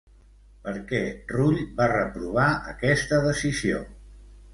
Per què Rull va reprovar aquesta decisió?